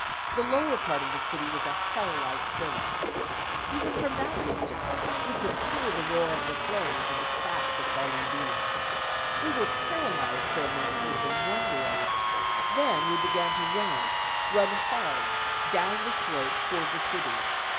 The lower part of the city was a hell like furnace. Even from that distance we could hear the roar of the flames and the crash of falling beams. We were paralyzed for a moment with the wonder of it. Then we began to run, run hard, down the slope toward the city.